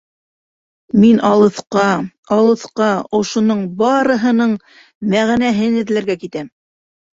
Мин алыҫҡа, алыҫҡа, ошоноң барыһының мәғәнәһен эҙләргә китәм.